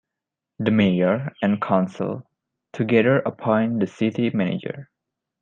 The mayor and council, together, appoint the city manager.